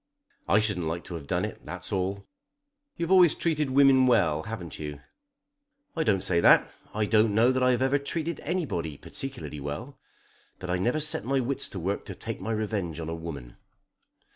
"I shouldn't like to have done it; that's all." "You've always treated women well; haven't you?" "I don't say that. I don't know that I've ever treated anybody particularly well. But I never set my wits to work to take my revenge on a woman."